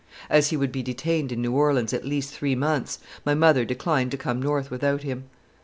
As he would be detained in New Orleans at least three months, my mother declined to come North without him.